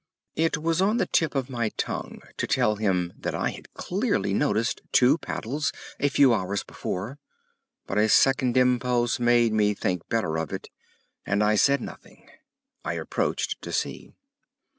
It was on the tip of my tongue to tell him that I had clearly noticed two paddles a few hours before, but a second impulse made me think better of it, and I said nothing. I approached to see.